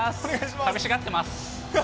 寂しがってます。